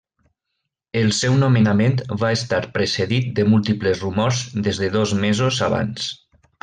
El seu nomenament va estar precedit de múltiples rumors des de dos mesos abans.